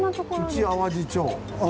「内淡路町」。